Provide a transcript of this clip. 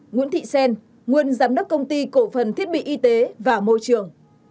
nguyễn thị xen nguyên giám đốc công ty cổ phần thiết bị y tế và môi trường